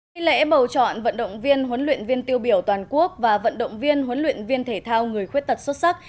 nghi lễ bầu chọn vận động viên huấn luyện viên tiêu biểu toàn quốc và vận động viên huấn luyện viên thể thao người khuyết tật xuất sắc